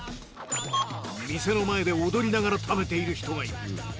店の前で踊りながら食べている人がいる。